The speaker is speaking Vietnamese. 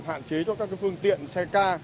hạn chế cho các phương tiện xe ca